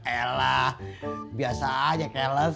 elah biasa aja keles